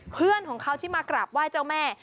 เพื่อนของเขาที่มากราบไหว้เจ้าแม่